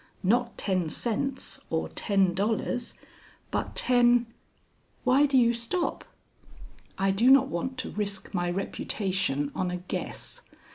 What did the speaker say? Not ten cents or ten dollars, but ten " "Why do you stop?" "I do not want to risk my reputation on a guess.